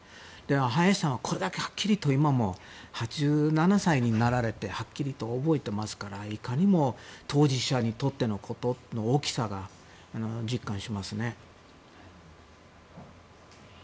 早志さんは、これだけはっきりと今も、８７歳になられてもはっきりと覚えていますからいかにも当事者にとってのことの大きさを実感しますね。